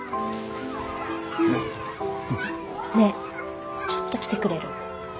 ねえちょっと来てくれる？